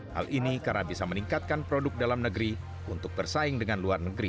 hal ini karena bisa meningkatkan produk dalam negeri untuk bersaing dengan luar negeri